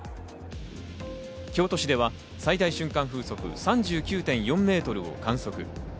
京都市では最大瞬間風速３９．４メートルを観測。